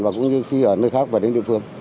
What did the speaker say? và cũng như khi ở nơi khác về đến địa phương